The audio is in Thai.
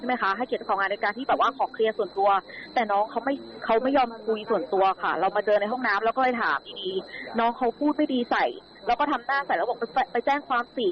เรา็็ุ่นเอาล่ะเจอกันขอเคลียร์ส่วนตัวครันน้องมาห้องน้ำแล้วปูนี่พูดไม่ดีใสพี่นะฟากบอกจะแจ้งความดี